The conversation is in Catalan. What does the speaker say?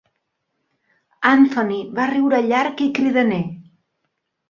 Anthony va riure llarg i cridaner.